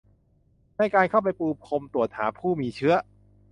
ในการเข้าไปปูพรมตรวจหาผู้มีเชื้อ